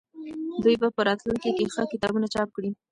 دوی به په راتلونکي کې ښه کتابونه چاپ کړي.